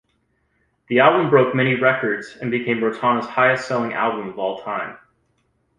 The Album broke many records and became Rotana's highest selling album of all-time.